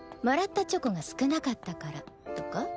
もらったチョコが少なかったからとか？